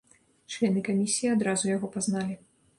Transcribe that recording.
Члены камісіі адразу яго пазналі.